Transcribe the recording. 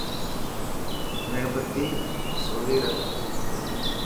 ميڻ بتي سولي رک.